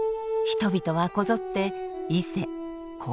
人々はこぞって伊勢金比羅